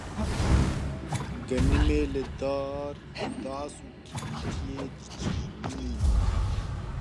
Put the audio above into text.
genimê li dar bi das û kîlîntiyê diçînîn